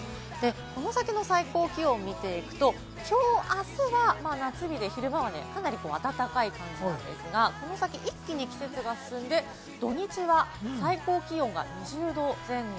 この先の最高気温を見ると、きょう、あすは夏日で、昼間はかなり暖かい感じですが、この先、一気に季節が進んで土日は最高気温が２０度前後。